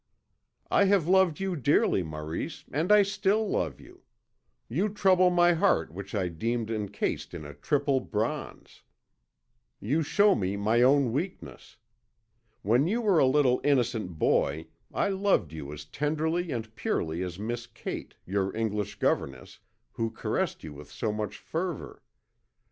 "I have loved you dearly, Maurice, and I still love you. You trouble my heart which I deemed encased in triple bronze. You show me my own weakness. When you were a little innocent boy I loved you as tenderly and purely as Miss Kate, your English governess, who caressed you with so much fervour.